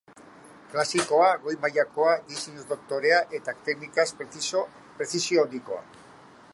Klasikoa, goi mailakoa, diseinuz dotorea, eta teknikaz prezisio handikoa.